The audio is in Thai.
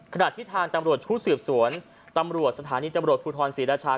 ขณะที่ทางตำรวจชุดสืบสวนตำรวจสถานีตำรวจภูทรศรีราชา